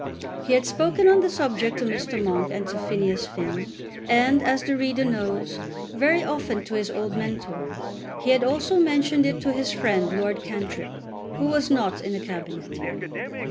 He had spoken on the subject to Mr. Monk and to Phineas Finn, and, as the reader knows, very often to his old mentor. He had also mentioned it to his friend Lord Cantrip, who was not in the Cabinet.